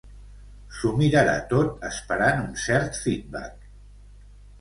S'ho mirarà tot esperant un cert feedback.